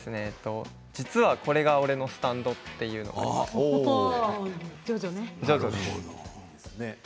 実はこれが俺のスタンドというのがあります。